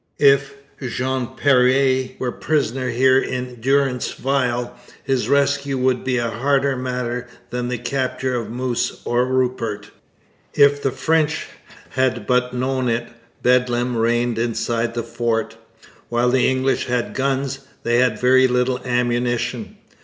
If Jean Péré were prisoner here in durance vile, his rescue would be a harder matter than the capture of Moose or Rupert. If the French had but known it, bedlam reigned inside the fort. While the English had guns, they had very little ammunition.